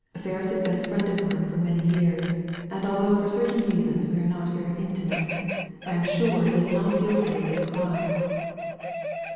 " Ferris has been a friend of mine for many years, and although for certain reasons we are not very intimate, I am sure he is not guilty of this crime.